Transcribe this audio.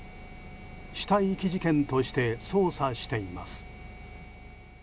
死体遺棄事件として捜査しています。